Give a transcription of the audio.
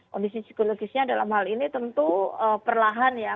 kondisi psikologisnya dalam hal ini tentu perlahan ya